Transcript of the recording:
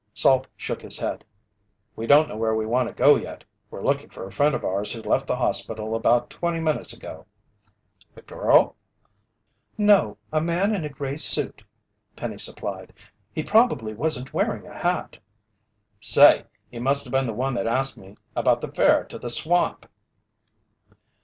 Salt shook his head. "We don't know where we want to go yet. We're looking for a friend of ours who left the hospital about twenty minutes ago." "A girl?" "No, a man in a gray suit," Penny supplied. "He probably wasn't wearing a hat." "Say, he musta been the one that asked me about the fare to the swamp!"